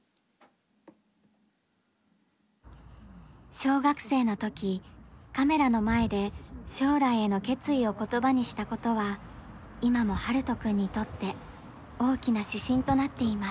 小学生の時カメラの前で将来への決意を言葉にしたことは今も陽大くんにとって大きな指針となっています。